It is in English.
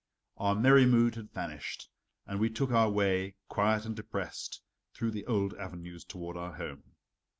Our merry mood had vanished and we took our way, quiet and depressed, through the old avenues toward our home.